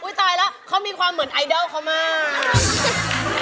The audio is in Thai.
ตายแล้วเขามีความเหมือนไอดอลเขามาก